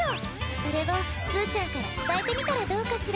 それをすうちゃんから伝えてみたらどうかしら？